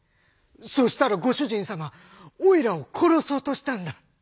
そしたらご主人様おいらを殺そうとしたんだ。